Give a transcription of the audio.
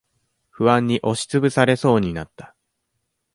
不安に押しつぶされそうになった。